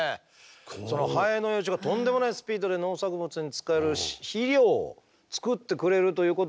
そのハエの幼虫がとんでもないスピードで農作物に使える肥料を作ってくれるということで。